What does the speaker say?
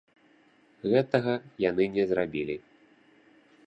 Гэтага яны не зрабілі.